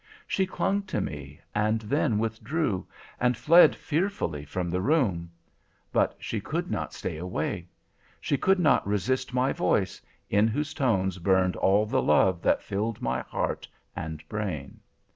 She clung to me, and then withdrew, and fled fearfully from the room. But she could not stay away. She could not resist my voice, in whose tones burned all the love that filled my heart and brain.